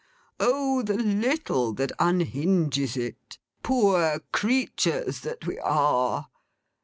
Oh the little that unhinges it: poor creatures that we are!